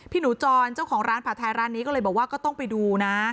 หนูจรเจ้าของร้านผัดไทยร้านนี้ก็เลยบอกว่าก็ต้องไปดูนะ